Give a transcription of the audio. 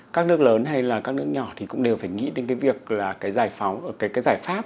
các nước lớn hay là các nước nhỏ thì cũng đều phải nghĩ đến cái việc là cái giải pháp